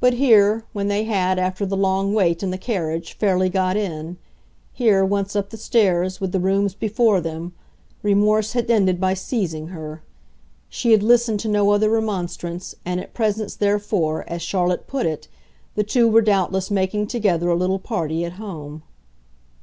But here, when they had, after the long wait in the carriage, fairly got in; here, once up the stairs, with the rooms before them, remorse had ended by seizing her: she had listened to no other remonstrance, and at present therefore, as Charlotte put it, the two were doubtless making together a little party at home.